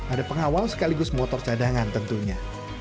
ada pengawal sekaligus motor cadangan tentunya